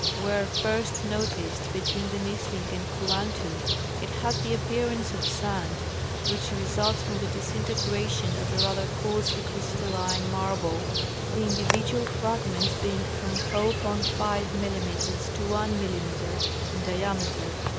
Where first noticed between the Nisling and Kluantu it had the appearance of sand which results from the disintegration of a rather coarsely crystalline marble, the indi vidual fragments being from 0.5 mm to 1 mm in diameter.